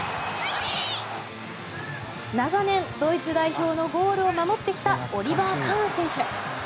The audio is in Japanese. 長年、ドイツ代表のゴールを守ってきたオリバー・カーン選手。